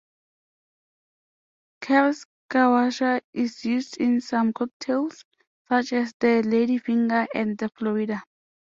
Kirschwasser is used in some cocktails, such as the Ladyfinger and the Florida.